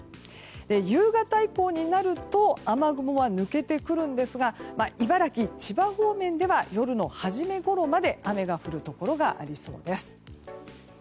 夕方以降になると雨雲は抜けてくるんですが茨城、千葉方面では夜の初めごろまで雨が降るところがありそうです。